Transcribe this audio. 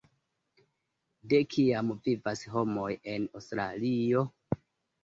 De kiam vivas homoj en Aŭstralio?